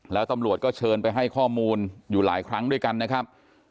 แล้วตำรวจก็เชิญไปให้ข้อมูลอยู่หลายครั้งด้วยกันนะครับ